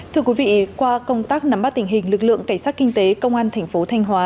thưa quý vị qua công tác nắm bắt tình hình lực lượng cảnh sát kinh tế công an thành phố thanh hóa